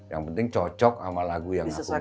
yang penting cocok sama lagu yang aku